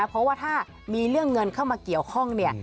เพราะว่าถ้ามีเรื่องเงินเข้ามาเกี่ยวข้องเนี่ย